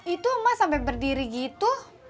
itu mas sampai berdiri gitu